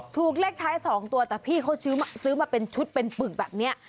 ถูกเลขท้าย๒ตัวแต่พี่เขาซื้อมาเป็นชุดเป็นปึกแบบนี้